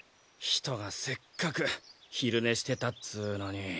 ひとがせっかくひるねしてたっつうのに。